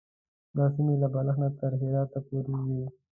دا سیمې له بلخ نه تر هرات پورې وې.